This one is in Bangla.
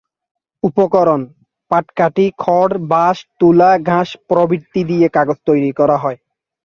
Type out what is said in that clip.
উপকরণ: পাটকাঠি, খড়, বাঁশ, তুলা, ঘাস প্রভৃতি দিয়ে কাগজ তৈরি করা হয়।